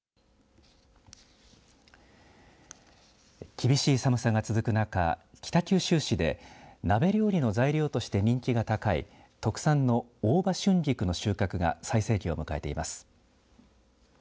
厳しい寒さが続く中北九州市で鍋料理の材料として人気が高い特産の大葉春菊の収穫が最盛期を迎えています。